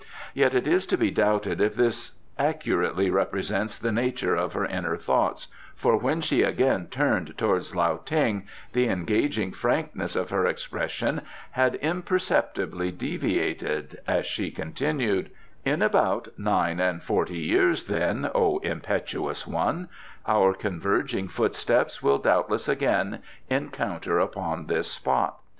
Yet it is to be doubted if this accurately represents the nature of her inner thoughts, for when she again turned towards Lao Ting the engaging frankness of her expression had imperceptibly deviated, as she continued: "In about nine and forty years, then, O impetuous one, our converging footsteps will doubtless again encounter upon this spot.